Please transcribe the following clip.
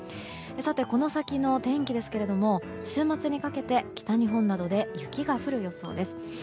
この先の天気ですけれども週末にかけて北日本などで雪が降る予想です。